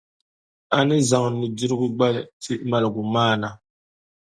a ni zaŋ nudirigu gbali ti maligumaana.